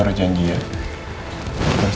terima kasih pak